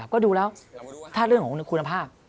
ก็ดูแล้วถ้าเรื่องของคุณภาพ